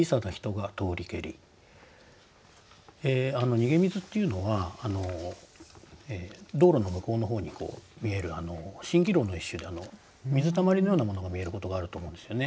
「逃水」っていうのは道路の向こうの方に見える蜃気楼の一種で水たまりのようなものが見えることがあると思うんですよね。